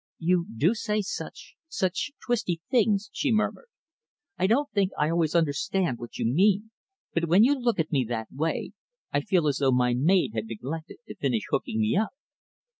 "You do say such such twisty things," she murmured. "I don't think I always understand what you mean; but when you look at me that way, I feel as though my maid had neglected to finish hooking me up."